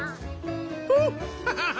ホッハハハ。